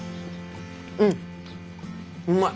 うんうまい。